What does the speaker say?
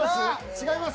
違います？